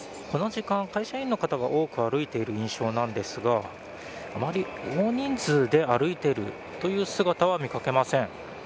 この時間は会社員の方が多く歩いている印象なんですがあまり大人数で歩いているという姿は見掛けません。